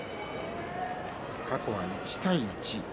過去１対１。